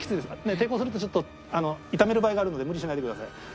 抵抗するとちょっと痛める場合があるので無理しないでください。